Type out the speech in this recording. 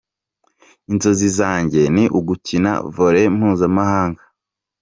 Inzozi zanjye ni ugukina Volley mpuzamahanga".